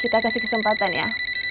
kita kasih kesempatan ya